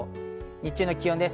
日中の気温です。